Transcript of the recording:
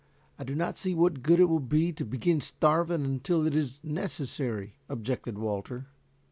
I do not see what good it will be to begin starving us until it is necessary," objected Walter.